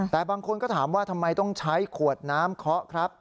แต่บางคนก็ถามว่าทำไมต้องใช้ขวดน้ำเคาะครับ